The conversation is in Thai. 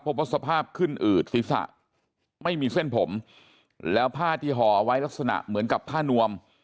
พบว่าสภาพขึ้นอืดศีรษะไม่มีเส้นผมแล้วผ้าที่ห่อไว้ลักษณะเหมือนกับผ้านวม